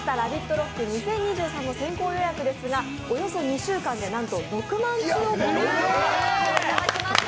ＲＯＣＫ２００３の先行予約ですが、およそ２週間でなんと６万通の応募をいただきました。